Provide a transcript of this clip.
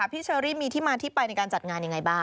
พี่เชอรี่มีที่มายจกการจัดงานอย่างไรบ้าง